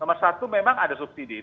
nomor satu memang ada subsidi